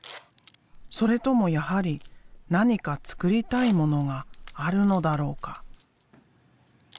それともやはり何かつくりたいものがあるのだろうか？